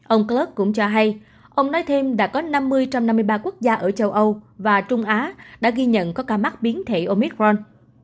ông kurs cũng cho hay ông nói thêm đã có năm mươi trong năm mươi ba quốc gia ở châu âu và trung á đã ghi nhận có ca mắc biến thể omitron